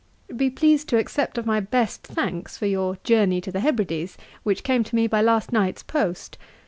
'Be pleased to accept of my best thanks for your Journey to the Hebrides, which came to me by last night's post.